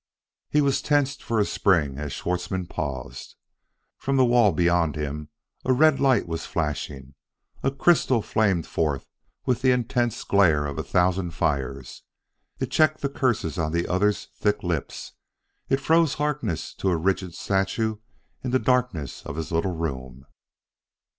He was tensed for a spring as Schwartzmann paused. From the wall beyond him a red light was flashing; a crystal flamed forth with the intense glare of a thousand fires. It checked the curses on the other's thick lips; it froze Harkness to a rigid statue in the darkness of his little room.